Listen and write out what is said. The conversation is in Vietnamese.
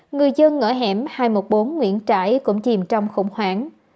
người dân ở hẻm hai trăm một mươi bốn nguyễn trãi cũng chìm trong khủng hoảng